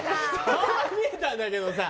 顔は見えたんだけどさ